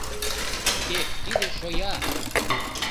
— Уке, тиде шоя!